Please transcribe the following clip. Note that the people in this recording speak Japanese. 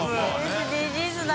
ＳＤＧｓだ。